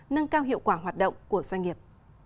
nâng cao hiệu quả hoạt động của doanh nghiệp